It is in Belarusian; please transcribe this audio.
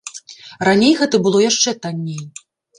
Раней гэта было яшчэ танней.